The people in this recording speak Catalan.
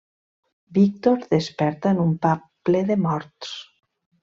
Víctor desperta en un pub ple de morts.